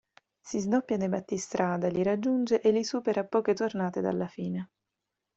Si sdoppia dai battistrada, li raggiunge e li supera a poche tornate dalla fine.